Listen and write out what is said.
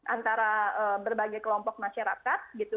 antara berbagai kelompok masyarakat